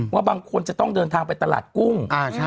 ว่าบางคนจะต้องเดินทางไปตลาดกุ้ง